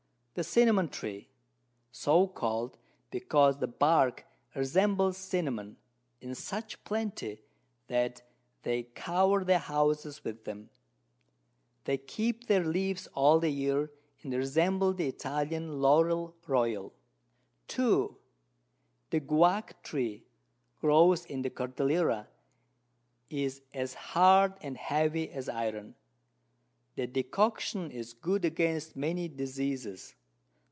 The Cinnamon Tree, so call'd, because the Bark resembles Cinnamon, in such Plenty, that they cover their Houses with them: They keep their Leaves all the Year, and resemble the Italian Lawrel Royal. 2. The Guyac Tree grows in the Cordillera, is as hard and heavy as Iron: The Decoction is good against many Diseases.